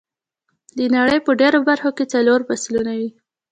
د نړۍ په ډېرو برخو کې څلور فصلونه وي.